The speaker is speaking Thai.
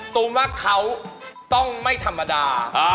ตูมว่าเขาต้องไม่ธรรมดา